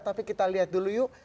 tapi kita lihat dulu yuk